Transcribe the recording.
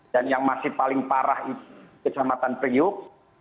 dan yang masih paling parah itu kecamatan priuk